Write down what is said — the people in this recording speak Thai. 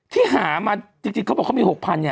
ที่หามาจริงเขาบอกเค้ามี๖๐๐๐บาท